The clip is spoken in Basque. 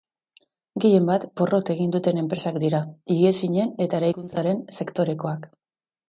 Gehien bat, porrot egin duten enpresak dira, higiezinen eta eraikuntzaren sektorekoak.